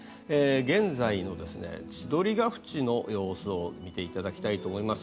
現在の千鳥ヶ淵の様子を見ていただきたいと思います。